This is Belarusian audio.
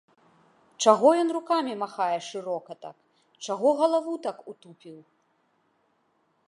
Чаго ён рукамі махае шырока так, чаго галаву так утупіў?